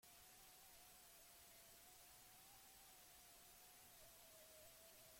Eta estatala, Frantzia edo Espainiako espazioaz ari dena.